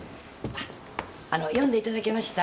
あの読んでいただけました？